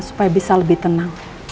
supaya bisa lebih tenang